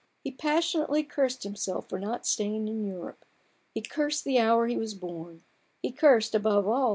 He passionately cursed himself for not staying in Europe; he cursed the hour he was born; he cursed, above all